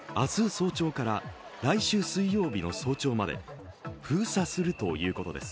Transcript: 早朝から来週水曜日の早朝まで封鎖するということです